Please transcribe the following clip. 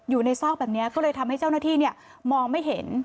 อยู่ในซอกแบบนี้ก็เลยทำให้เจ้าหน้าที่มองไม่เห็น